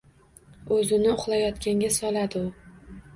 O’zini uxlayotganga soladi u.